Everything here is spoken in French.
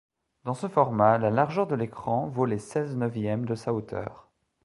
Dans ce format, la largeur de l'écran vaut les seize neuvièmes de sa hauteur.